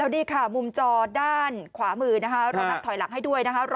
แล้วนี่ค่ะมุมจอด้านขวามือเรานำถอยหลังให้ด้วยนะฮะ